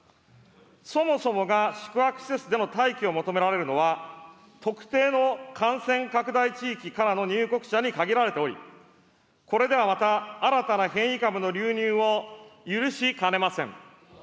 そもそもが宿泊施設での待機を求められるのは、特定の感染拡大地域からの入国者に限られており、これではまた、新たな変異株の流入を許しかねません。